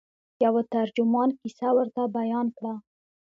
یوه ترجمان کیسه ورته بیان کړه.